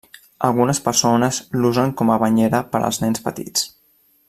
Algunes persones l'usen com a banyera per als nens petits.